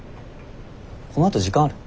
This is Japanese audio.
このあと時間ある？